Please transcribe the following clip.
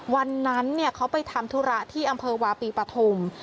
วันนั้นเขาไปทำธุระที่อำเภอวาปีปฐุม